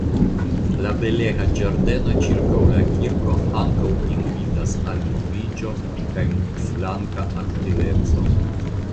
La belega ĝardeno ĉirkaŭ la kirko ankaŭ invitas al moviĝo kaj multflanka aktiveco.